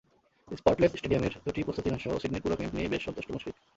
Spotless স্টেডিয়ামের দুটি প্রস্তুতি ম্যাচসহ সিডনির পুরো ক্যাম্প নিয়েই বেশ সন্তুষ্ট মুশফিক।